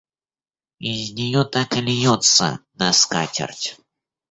Из неё так и льется на скатерть.